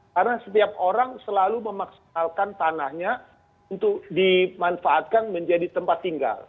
karena setiap orang selalu memaksakan tanahnya untuk dimanfaatkan menjadi tempat tinggal